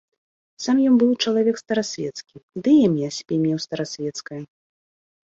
Сам ён быў чалавек старасвецкі, ды імя сабе меў старасвецкае.